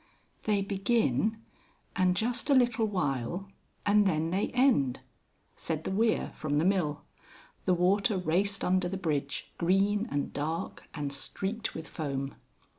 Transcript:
"They begin, and just a little while, and then they end," said the weir from the mill. The water raced under the bridge, green and dark, and streaked with foam.